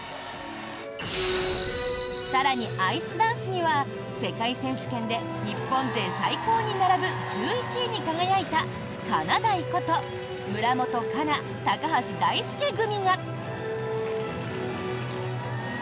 更に、アイスダンスには世界選手権で日本勢最高に並ぶ１１位に輝いたかなだいこと村元哉中・高橋大輔組が！